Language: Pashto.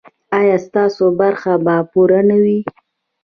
ایا ستاسو برخه به پوره نه وي؟